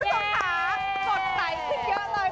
ทุกคนค่ะกดไส้ขึ้นเยอะเลย